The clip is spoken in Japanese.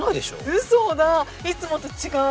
ウソだいつもと違う。